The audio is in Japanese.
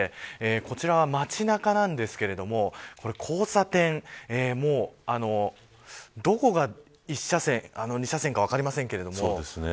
こちらは、街中なんですが交差点どこが１車線か２車線か分かりませんけど。